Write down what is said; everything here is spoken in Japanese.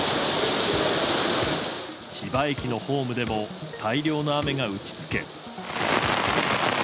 千葉駅のホームでも大量の雨が打ち付け。